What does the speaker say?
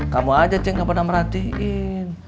kamu aja ceng yang pernah merhatiin